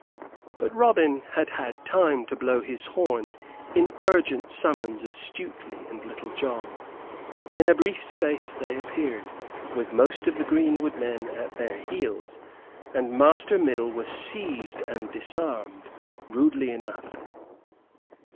But Robin had had time to blow his horn in urgent summons of Stuteley and Little John. In a brief space they appeared, with most of the greenwood men at their heels, and Master Middle was seized and disarmed rudely enough.